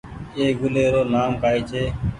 اي گُلي رو نآم ڪآئي ڇي۔